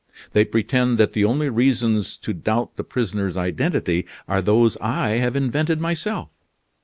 They pretend that the only reasons to doubt the prisoner's identity are those I have invented myself.